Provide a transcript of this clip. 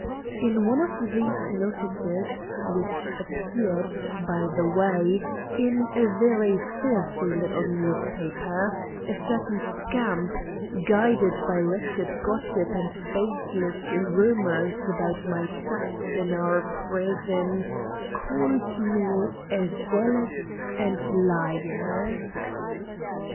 In one of these notices, which appeared, by the way, in a very filthy little newspaper, a certain scamp, guided by wretched gossip and baseless rumours about my chats in our prison, called me a "zealot and liar."